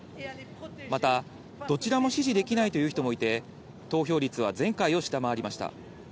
また、どちらも支持できないという人もいて、投票率は前回を下回りました。